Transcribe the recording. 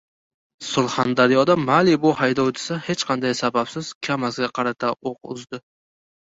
Surxondaryoda "Malibu" haydovchisi hech qanday sababsiz Kamazga qarata o‘q uzdi